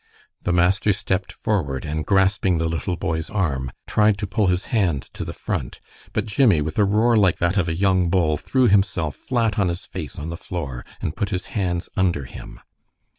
The master stepped forward, and grasping the little boy's arm, tried to pull his hand to the front; but Jimmie, with a roar like that of a young bull, threw himself flat on his face on the floor and put his hands under him.